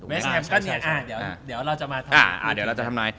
เวสแฮมก็เนี่ยเดี๋ยวเราจะมาทำ